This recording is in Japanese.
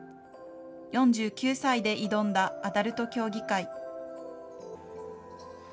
４９歳で挑んだアダルト競技会。